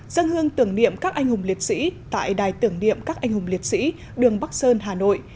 dân hương tưởng niệm các anh hùng liệt sĩ tại đài tưởng niệm các anh hùng liệt sĩ đường bắc sơn hà nội